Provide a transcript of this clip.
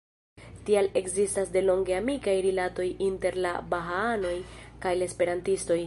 Tial ekzistas delonge amikaj rilatoj inter la bahaanoj kaj la esperantistoj.